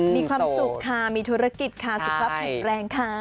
มีความสุขค่ะมีธุรกิจค่ะสุขภาพแข็งแรงค่ะ